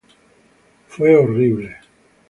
Fue horrible.